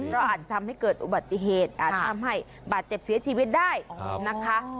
เพราะอาจทำให้เกิดอุบัติเหตุอาจทำให้บาดเจ็บเสียชีวิตได้นะคะ